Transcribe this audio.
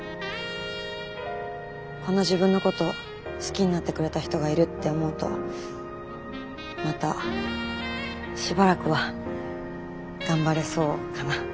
こんな自分のことを好きになってくれた人がいるって思うとまたしばらくは頑張れそうかな。